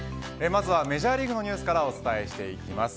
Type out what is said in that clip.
まずはメジャーリーグのニュースからお伝えしていきます。